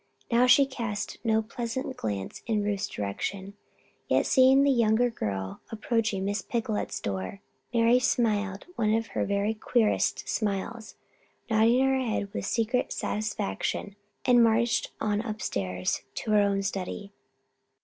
Now she cast no pleasant glance in Ruth's direction. Yet, seeing the younger girl approaching Miss Picolet's door, Mary smiled one of her very queerest smiles, nodded her head with secret satisfaction, and marched on upstairs to her own study.